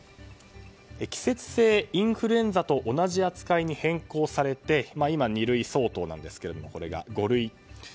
季節性インフルエンザと同じ扱いに変更されて今、二類相当なんですがこれが五類に。